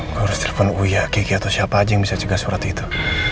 gue harus telepon uya kiki atau siapa aja yang bisa cegah surat itu